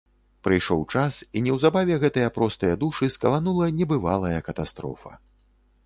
Прыйшоў час, і неўзабаве гэтыя простыя душы скаланула небывалая катастрофа.